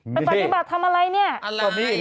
สำนักมดิบัตรทำอะไรเนี่ย